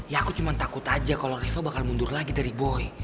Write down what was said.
ya aku cuma takut aja kalau riva bakal mundur lagi dari boy